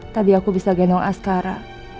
tadi aku bisa gendong askara